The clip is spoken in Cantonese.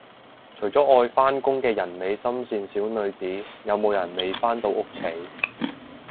除咗愛返工嘅人美心善小女子，有冇人未返到屋企